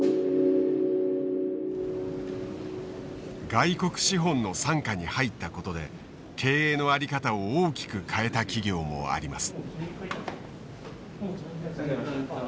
外国資本の傘下に入ったことで経営の在り方を大きく変えた企業もあります。